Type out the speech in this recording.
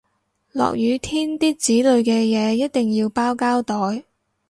落雨天啲紙類嘅嘢一定要包膠袋